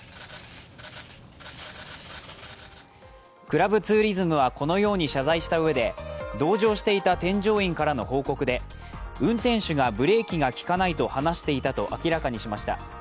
クラブツーリズムはこのように謝罪したうえで同乗していた添乗員からの報告で運転手がブレーキが利かないと話していたと明らかにしました。